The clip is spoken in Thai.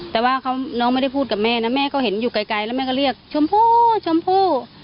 แต่ว่าน้องไม่ได้พูดกับแม่นะแม่ก็เห็นอยู่ไกลแล้วแม่ก็เรียกชมพู่ชมพู่